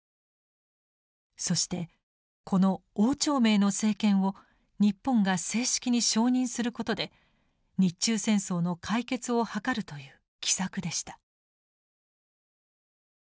そしてこの汪兆銘の政権を日本が正式に承認することで日中戦争の解決を図るという奇策でした。